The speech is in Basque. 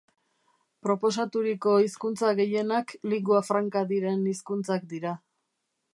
Proposaturiko hizkuntza gehienak lingua franca diren hizkuntzak dira.